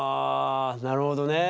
なるほどね。